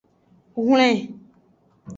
Hlen.